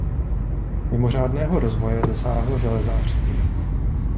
Mimořádného rozvoje dosáhlo železářství.